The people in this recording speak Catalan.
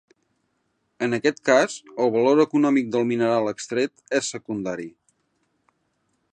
En aquest cas, el valor econòmic del mineral extret és secundari.